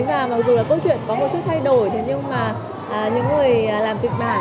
và mặc dù là câu chuyện có một chút thay đổi thì nhưng mà những người làm tịch bản